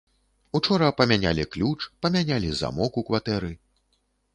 Учора памянялі ключ, памянялі замок у кватэры.